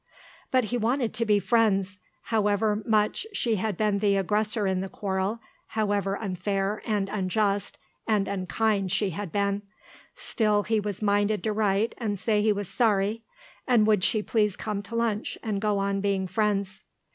But he wanted to be friends. However much she had been the aggressor in the quarrel, however unfair, and unjust, and unkind she had been, still he was minded to write and say he was sorry, and would she please come to lunch and go on being friends.